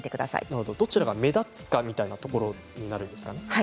どちらが目立つかみたいなところになるんですね。